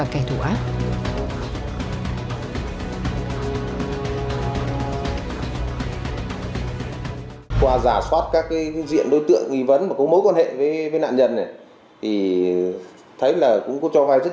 chúng tôi đã có